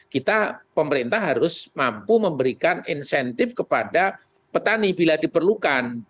kita pemerintah harus mampu memberikan insentif kepada petani bila diperlukan